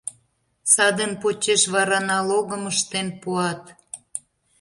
Садын почеш вара налогым ыштен пуат.